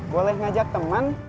boleh ngajak temen